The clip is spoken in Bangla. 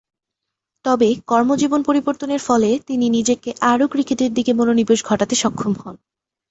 তবে কর্মজীবন পরিবর্তনের ফলে তিনি নিজেকে আরও ক্রিকেটের দিকে মনোনিবেশ ঘটাতে সক্ষম হন।